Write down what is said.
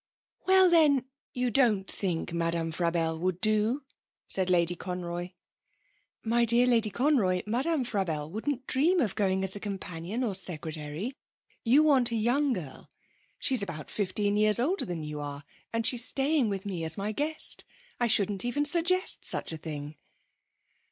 'Well, then, you don't think Madame Frabelle would do?' said Lady Conroy. 'My dear Lady Conroy, Madame Frabelle wouldn't dream of going as a companion or secretary. You want a young girl. She's about fifteen years older than you are and she's staying with me as my guest. I shouldn't even suggest such a thing.'